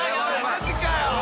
マジかよ。